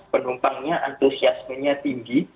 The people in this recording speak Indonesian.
penumpangnya antusiasmenya tinggi